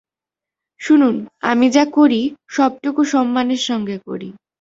শুনুন, আমি যা করি সবটুকু সম্মানের সঙ্গে করি।